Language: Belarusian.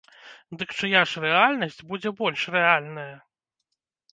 Дык чыя ж рэальнасць будзе больш рэальная?